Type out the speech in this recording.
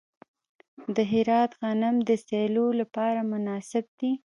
د هرات غنم د سیلو لپاره مناسب دي.